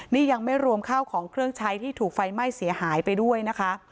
นี่ยังไม่รวมข้าวของเครื่องใช้ที่ถูกไฟไหม้เสียหายไปด้วยนะคะ